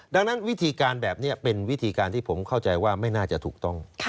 ดังนั้นวิธีการแบบนี้เป็นวิธีการที่ผมเข้าใจว่าไม่น่าจะถูกต้อง